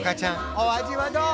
お味はどう？